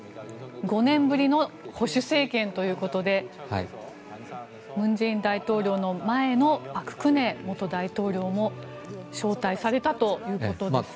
５年ぶりの保守政権ということで文在寅大統領の前の朴槿惠元大統領も招待されたということですね。